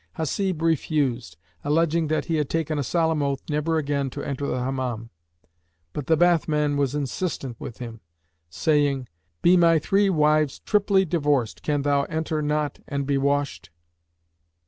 Hasib refused, alleging that he had taken a solemn oath never again to enter the Hammam; but the bathman was instant with him, saying, "Be my three wives triply divorced, can thou enter not and be washed!"